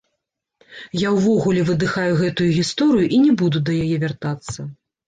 Я ўвогуле выдыхаю гэтую гісторыю і не буду да яе вяртацца.